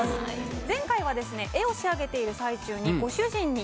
前回は絵を仕上げている最中に。